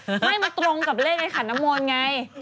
เออไม่มันตรงกับเลขในขานมนต์ไง